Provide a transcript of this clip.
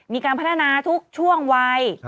มีการพัฒนาทุกช่วงวัย